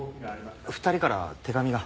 ２人から手紙が。